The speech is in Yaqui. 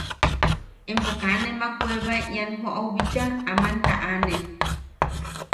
¿Empo kaa nemak weebae in joʼau bicha aman taʼane?